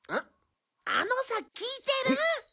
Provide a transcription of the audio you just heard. あのさ聞いてる？